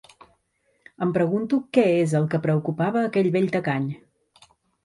Em pregunto què és el que preocupava a aquell vell tacany?